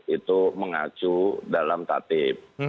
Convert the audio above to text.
itu mengacu dalam tatib